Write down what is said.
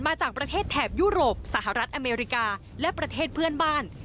มาจากประเทศแถบยุโรปสหรัฐอเมริกาและประเทศเพื่อนบ้าน